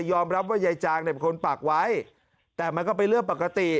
ยอมรับว่ายายจางเป็นคนปากไว้แต่มันก็ไปเลือกปกติ